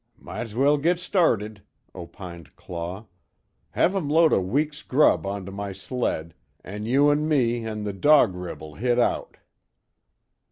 "Might's well git started," opined Claw, "Have 'em load a week's grub onto my sled, an' you an' me, an' the Dog Rib'll hit out."